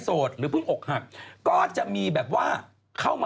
ตอนนี้พี่โดนขาดใส่ไข่คือคนที่เป็นสดมีแฟนหมด